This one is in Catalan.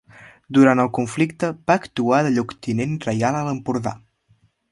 Durant el conflicte va actuar de lloctinent reial a l'Empordà.